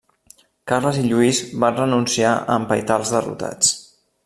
Carles i Lluís van renunciar a empaitar als derrotats.